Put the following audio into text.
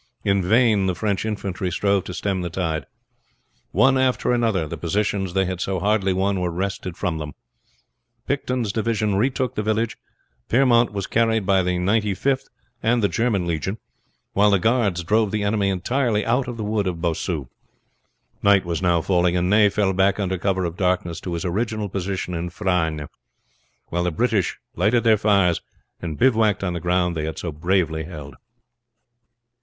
In vain the French infantry strove to stem the tide. One after another the positions they had so hardly won were wrested from them. Picton's division retook the village; Piermont was carried by the Ninety fifth and the German legion; while the guards drove the enemy entirely out of the wood of Bossu. Night was now falling, and Ney fell back under cover of darkness to his original position in Frasnes; while the British lighted their fires, and bivouacked on the ground they had so bravely held.